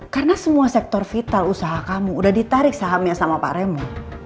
karena semua sektor vital usaha kamu udah ditarik sahamnya sama pak remo